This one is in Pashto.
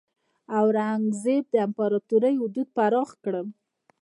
اورنګزیب د امپراتورۍ حدود پراخ کړل.